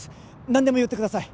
何でも言ってください！